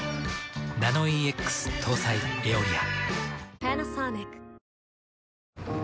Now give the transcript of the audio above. ナノイーＸ搭載「エオリア」。